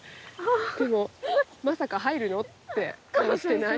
でも「まさか入るの？」って顔してない？